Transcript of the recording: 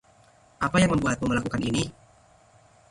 Apa yang membuatmu melakukan ini?